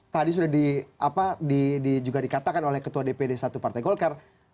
tadi sudah dikatakan oleh ketua dpd satu partai golkar